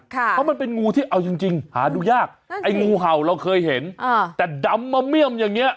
เพราะมันเป็นงูที่เอาจริงหาดูยากไอ้งูเห่าเราเคยเห็นแต่ดำมะเมี่ยมอย่างนี้